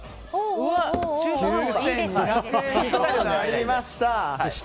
９２００円となりました。